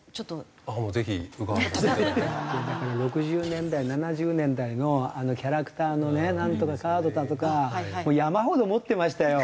６０年代７０年代のキャラクターのねナントカカードだとかもう山ほど持ってましたよ。